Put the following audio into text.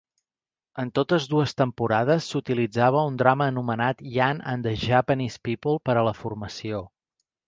En totes dues temporades s'utilitzava un drama anomenat "Yan and the Japanese People" per a la formació.